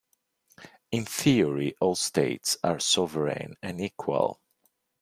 In theory all states are sovereign and equal.